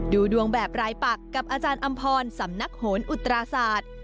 ดูดวงแบบรายปักกับอาจารย์อำพรสำนักโหนอุตราศาสตร์